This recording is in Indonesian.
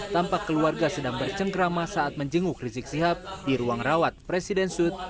tampak keluarga sedang bercengkrama saat menjenguk rizik sihab di ruang rawat presiden sut